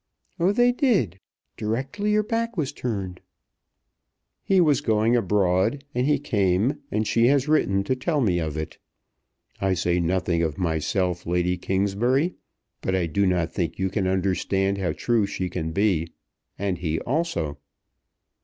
"Oh, they did. Directly your back was turned?" "He was going abroad, and he came; and she has written to tell me of it. I say nothing of myself, Lady Kingsbury; but I do not think you can understand how true she can be, and he also."